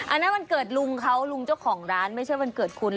อันนั้นวันเกิดลุงเขาลุงเจ้าของร้านไม่ใช่วันเกิดคุณ